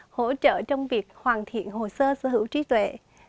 hỗ trợ trong việc hoàn thiện hồ sơ sở hữu trí tuệ